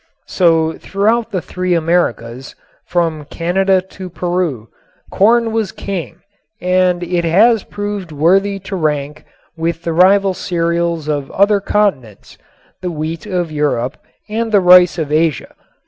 So throughout the three Americas, from Canada to Peru, corn was king and it has proved worthy to rank with the rival cereals of other continents, the wheat of Europe and the rice of Asia.